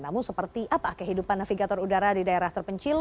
namun seperti apa kehidupan navigator udara di daerah terpencil